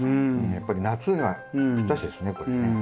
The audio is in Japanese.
やっぱり夏がぴったしですねこれね。